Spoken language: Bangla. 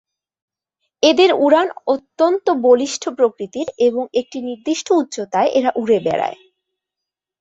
এদের উড়ান অত্যন্ত বলিষ্ঠ প্রকৃতির এবং একটি নির্দিষ্ট উচ্চতায় এরা উড়ে বেড়ায়।